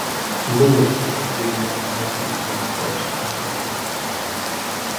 Lewis did not ultimately face charges.